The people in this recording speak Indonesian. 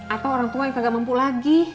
atau orangtua yang kagak mampu lagi